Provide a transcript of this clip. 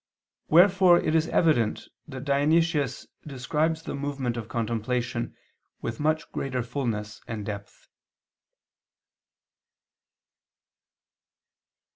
Wherefore it is evident that Dionysius describes the movement of contemplation with much greater fulness and depth.